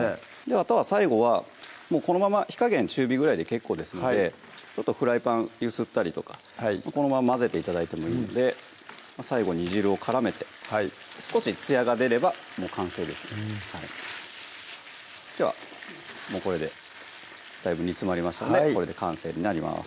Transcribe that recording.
あとは最後はもうこのまま火加減中火ぐらいで結構ですのでちょっとフライパン揺すったりとかこのまま混ぜて頂いてもいいので最後煮汁を絡めて少しつやが出ればもう完成ですうんではもうこれでだいぶ煮詰まりましたのでこれで完成になります